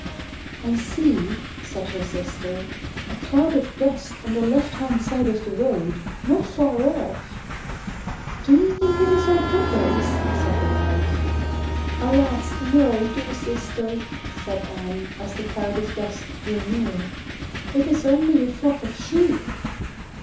" I see," said her sister, " a cloud of dust on the left hand side of the road, not far off." " Do you think it is our brothers?" said the wife. " Alas, no, dear sister," said Anne, as the cloud of dust drew near ;" it is only a flock of sheep."